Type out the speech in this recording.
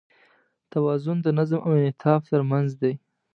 توازن د نظم او انعطاف تر منځ دی.